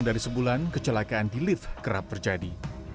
dari sebulan kecelakaan di lift kerap terjadi